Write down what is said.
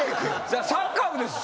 じゃあサッカー部です。